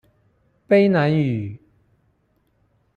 卑南語